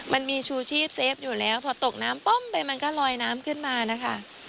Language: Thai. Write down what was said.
มันมีชูชีพเซฟอยู่แล้วพอตกน้ำป้อมไปมันก็ลอยน้ำขึ้นมานะคะ